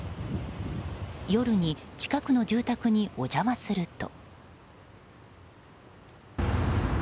夜に近くの住宅にお邪魔すると。